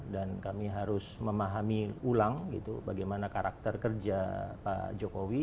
dan kami harus memahami ulang bagaimana karakter kerja pak jokowi